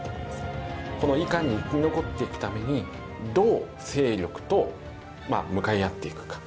このいかに生き残っていくためにどう勢力と向かい合っていくか。